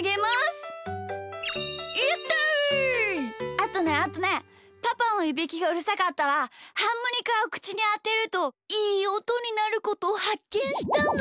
あとねあとねパパのいびきがうるさかったらハーモニカをくちにあてるといいおとになることをはっけんしたんだ。